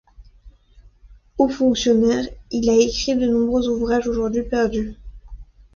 Haut fonctionnaire, il a écrit de nombreux autres ouvrages aujourd'hui perdus.